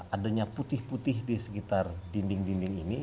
adanya putih putih di sekitar dinding dinding ini